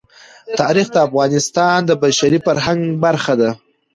تاریخ د افغانستان د بشري فرهنګ برخه ده.